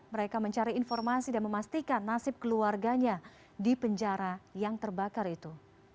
mereka mencari informasi dan memastikan nasib keluarganya di penjara yang terbakar itu